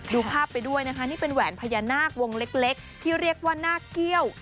ดูภาพไปด้วยนะคะนี่เป็นแหวนพญานาควงเล็กที่เรียกว่าหน้าเกี้ยว